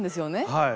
はい。